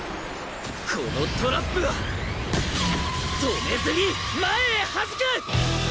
このトラップは止めずに前へはじく！